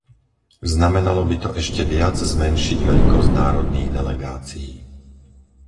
Znamenalo by to ešte viac zmenšiť veľkosť národných delegácií.